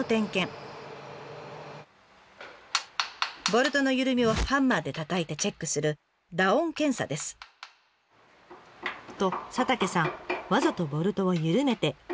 ボルトの緩みをハンマーでたたいてチェックすると佐竹さんわざとボルトを緩めて後輩をテストします。